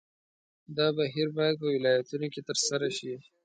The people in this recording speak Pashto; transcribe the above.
دا بهیر باید په ولایتونو کې ترسره شي.